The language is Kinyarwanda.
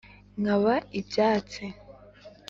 nkaba ibyatsi